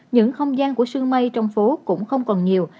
những không gian của sư mây trong phố cũng không còn nhiều